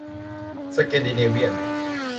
สแกนดิเนเวียน